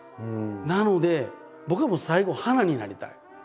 なので僕はもう最後花になりたい。